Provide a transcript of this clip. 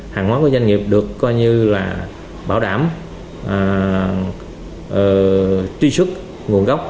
hàng hóa của doanh nghiệp được coi như là bảo đảm truy xuất nguồn gốc